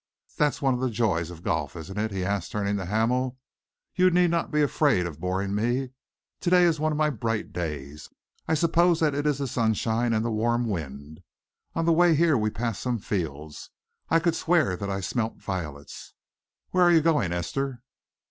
That is one of the joys of golf, isn't it?" he asked, turning to Hamel. "You need not be afraid of boring me. To day is one of my bright days. I suppose that it is the sunshine and the warm wind. On the way here we passed some fields. I could swear that I smelt violets. Where are you going, Esther?"